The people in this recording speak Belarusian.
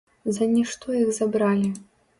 За нішто іх забралі!